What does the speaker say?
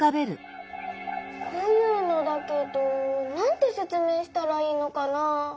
こういうのだけどなんてせつめいしたらいいのかな？